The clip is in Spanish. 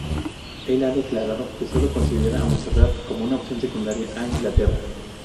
Él ha declarado que solo considerará a Montserrat como una opción secundaria a Inglaterra.